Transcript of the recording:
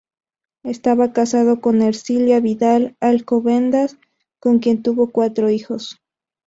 Estaba casado con Ercilia Vidal Alcobendas, con quien tuvo cuatro hijos.